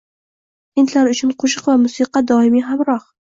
Hindlar uchun qoʻshiq va musiqa doimiy hamroh.